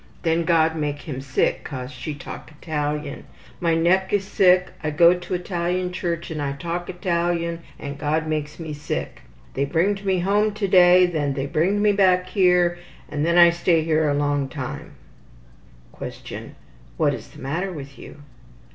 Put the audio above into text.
Then God make him sick cause she talk Italian. My neck is sick. I go to Italian church and I talk Italian and God makes me sick. ``They bringed me home to day, then they bringed me back here, then I stay here all along.'' (What is the matter with you?)